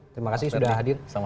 terima kasih sudah hadir